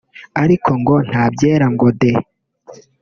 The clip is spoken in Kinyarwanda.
Ariko ngo nta byera ngo de